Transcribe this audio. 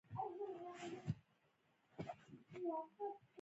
پوهېږې؟ هغه زما تره دی.